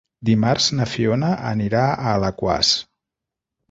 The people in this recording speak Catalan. Dimarts na Fiona anirà a Alaquàs.